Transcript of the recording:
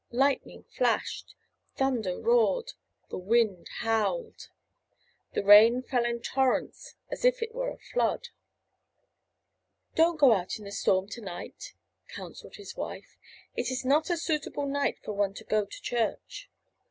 Lightning flashed. Thunder roared. The wind howled. The rain fell in torrents as if it were a flood. "Don't go out in the storm to night," counselled his wife. "It is not a suitable night for one to go to church."